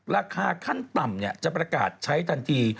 ราคาขั้นต่ำจะประกาศใช้ทันที